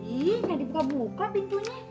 ih nggak dibuka buka pintunya